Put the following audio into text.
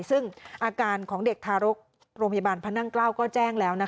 ซึ่งอาการของเด็กทารกโรงพยาบาลพระนั่งเกล้าก็แจ้งแล้ว